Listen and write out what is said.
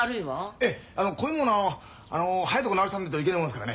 ええこういうものは早いとこ直さないといけねえもんですからね。